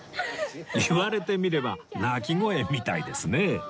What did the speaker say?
言われてみれば鳴き声みたいですね